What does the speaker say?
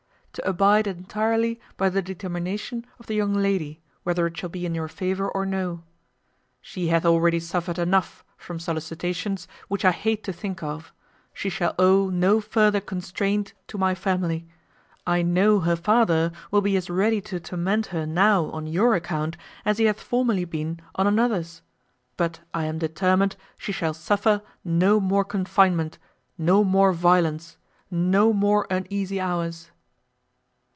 To abide intirely by the determination of the young lady, whether it shall be in your favour or no. She hath already suffered enough from solicitations which I hate to think of; she shall owe no further constraint to my family: I know her father will be as ready to torment her now on your account as he hath formerly been on another's; but I am determined she shall suffer no more confinement, no more violence, no more uneasy hours."